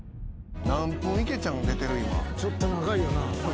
ちょっと長いよな。